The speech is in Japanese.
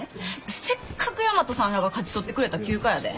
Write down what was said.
せっかく大和さんらが勝ち取ってくれた休暇やで。